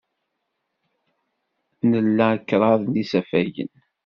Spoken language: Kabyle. Nla kraḍ n yisafagen.